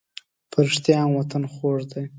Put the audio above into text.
په رښتیا هم وطن خوږ دی.